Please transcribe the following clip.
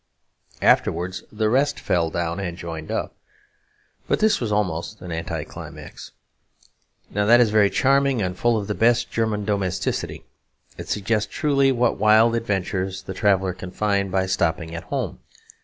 Afterwards the rest fell down and joined up; but this was almost an anti climax. Now that is very charming, and full of the best German domesticity. It suggests truly what wild adventures the traveller can find by stopping at home.